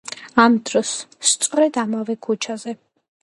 ამ დროს, სწორედ ამავე ქუჩაზე.